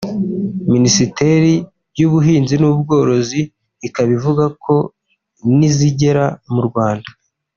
Minisiteri y’ ubuhinzi n’ ubworozi ikaba ivuga ko nizigera mu Rwanda